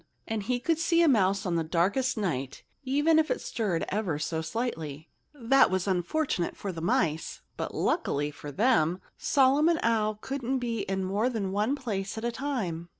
And he could see a mouse on the darkest night, even if it stirred ever so slightly. That was unfortunate for the mice. But luckily for them, Solomon Owl couldn't be in more than one place at a time.